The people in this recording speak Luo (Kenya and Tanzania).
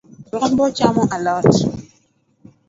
Rombo chamo a lot